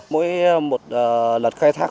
mỗi một lật khai thác